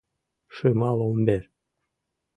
Шыма ломбер.